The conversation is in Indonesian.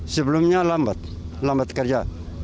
sebelumnya lambat lambat kerja